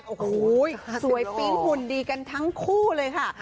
โอ้โหสวยปิ๊งหุ่นดีกันทั้งคู่เลยค่ะ